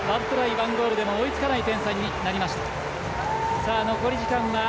１ゴールでも追いつかない点差になりました。